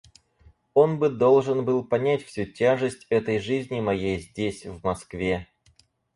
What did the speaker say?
Он бы должен был понять всю тяжесть этой жизни моей здесь, в Москве.